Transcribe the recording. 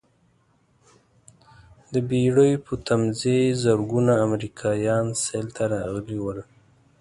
د بېړۍ په تمځاې زرګونه امریکایان سیل ته راغلي ول.